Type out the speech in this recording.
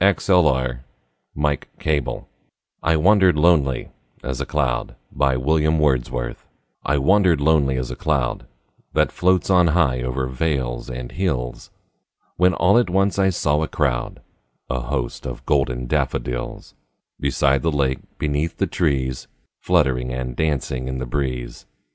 William Wordsworth I Wandered Lonely As a Cloud I WANDERED lonely as a cloud That floats on high o'er vales and hills, When all at once I saw a crowd, A host, of golden daffodils; Beside the lake, beneath the trees, Fluttering and dancing in the breeze.